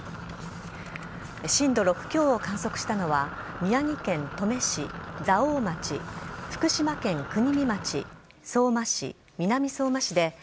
震度６強を観測したのは宮城県登米市、蔵王町福島県国見町、相馬市南相馬市